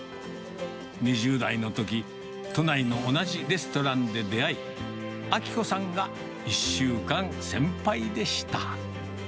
２０代のとき、都内の同じレストランで出会い、顕子さんが１週間先輩でした。